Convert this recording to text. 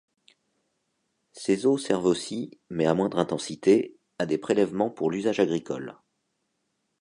Ses eaux servent aussi, mais à moindre intensité, à des prélèvements pour l'usage agricole.